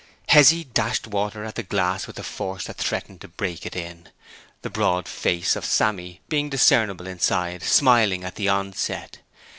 Hezzy dashed water at the glass with a force that threatened to break it in, the broad face of Sammy being discernible inside, smiling at the onset.